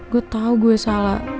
gua tau gua salah